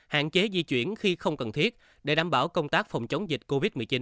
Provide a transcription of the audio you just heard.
hạn chế di chuyển khi không cần thiết để đảm bảo công tác phòng chống dịch covid một mươi chín